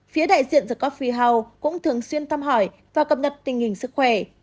phía đại diện the coffee house cũng thường xuyên tâm hỏi và cập nhật tình hình sức khỏe